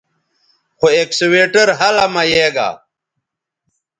خو اکسویٹر ھلہ مہ یے گا